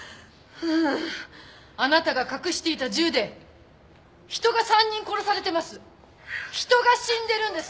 ウゥあなたが隠していた銃で人が３人殺されてます人が死んでるんです！